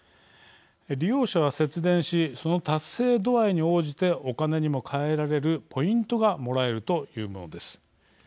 利用者は節電しその達成度合いに応じてお金にも換えられるポイントがもらえるというものです。